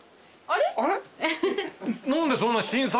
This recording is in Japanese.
あれ？